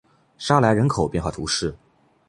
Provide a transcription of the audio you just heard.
沙莱人口变化图示